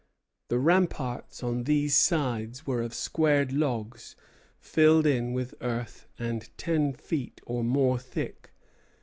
The ramparts on these sides were of squared logs, filled in with earth, and ten feet or more thick.